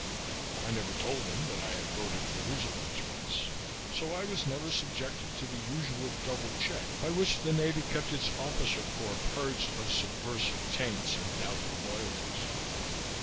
(I never told them that I had voted for Roosevelt twice, so I was never subjected to the usual double check by which the Navy kept its officer corps purged of subversive taints and doubtful loyalties.)